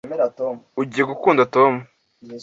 ugiye gukunda tom